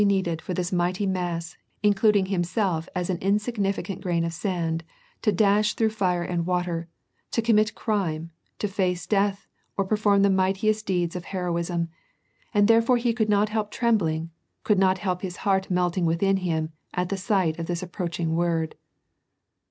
297 needed for this mighty mass, including himself as an insigni ficant grain of sand, to dash through fire and water, to com mit crime, to face death or perform the mightiest deeds of heroism, and therefore he could not help trembling, could not help his heart melting within him at the sight of this ap pmaching Word.